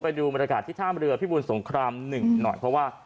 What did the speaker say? ไปดูบรรยากาศที่ท่ามเรือพิบูรสงคราม๑หน่อยเพราะว่า